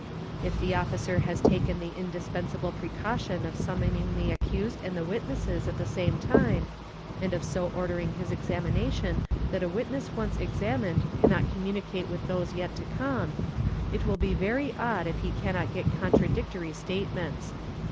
If the Officer has taken the indispensible precaution of summoning the accused and his witnesses at the same time, and of so ordering his examination that a witness once examined — cannot communicate with those yet to come, it will be very odd if he cannot get contradictory statements.